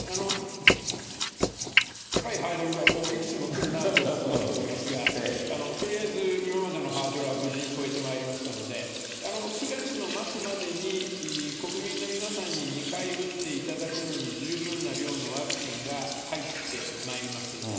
高いハードルが、いくつも来るなと思っておりますが、とりあえず今までのハードルは無事に超えてまいりましたので、９月の末までに、国民の皆さんに２回打っていただくのに十分な量のワクチンが入ってまいります。